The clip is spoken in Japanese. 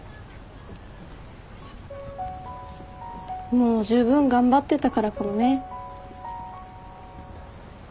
もうじゅうぶん頑張ってたからかもね。